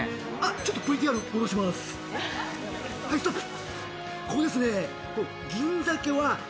ちょっとＶＴＲ戻します、はい、ストップ。